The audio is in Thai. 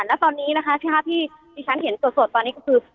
แล้วตอนนี้นะคะที่ค่ะที่ฉันเห็นสดสดตอนนี้ก็คือ